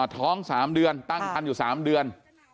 ท้อง๓เดือนตั้งคันอยู่๓เดือน